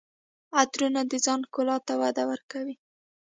عطرونه د ځان ښکلا ته وده ورکوي.